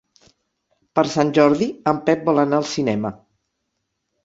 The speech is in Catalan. Per Sant Jordi en Pep vol anar al cinema.